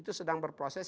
itu sedang berproses